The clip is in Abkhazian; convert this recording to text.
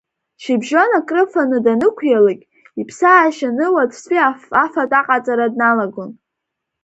Шьыбжьон акрыфаны данықәиалак, иԥсаашьаны уаҵәтәи афатә аҟаҵара дналагон.